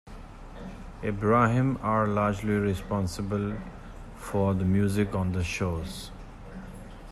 Abraham are largely responsible for the music on the shows.